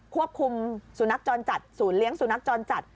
ควบคุมศูนย์นักจรจัดศูนย์เลี้ยงศูนย์นักจรจัด